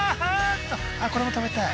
あっこれも食べたい。